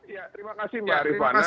ya terima kasih mbak rifana